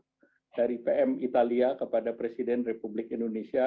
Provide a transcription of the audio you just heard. presidensi g dua puluh dari pm italia kepada presiden republik indonesia